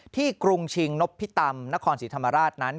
กรุงชิงนพิตำนครศรีธรรมราชนั้น